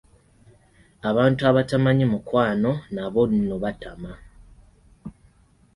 Abantu abatamanyi mukwano nabo nno batama.